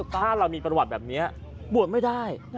ถ้าเรามีประวัติแบบนี้บวชไม่ได้